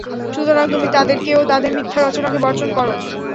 সুতরাং তুমি তাদেরকে ও তাদের মিথ্যা রচনাকে বর্জন কর।